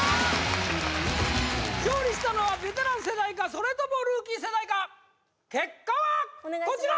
勝利したのはベテラン世代かそれともルーキー世代か結果はこちら！